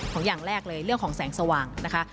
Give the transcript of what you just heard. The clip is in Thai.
อย่างแรกเลยเรื่องของแสงสว่างนะคะ